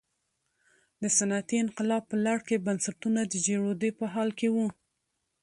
د صنعتي انقلاب په لړ کې بنسټونه د جوړېدو په حال کې وو.